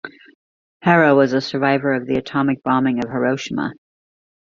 Hara was a survivor of the atomic bombing of Hiroshima.